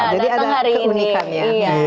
jadi ada keunikan ya